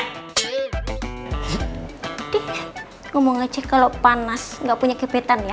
nih ngomong aja kalo panas gak punya kebetan ya